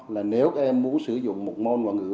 là nếu các em muốn sử dụng một môn ngoại ngữ